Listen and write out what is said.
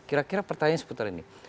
kira kira pertanyaan seputar ini